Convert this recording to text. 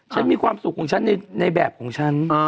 ฉันมีความสุขของฉันในแบบของฉัน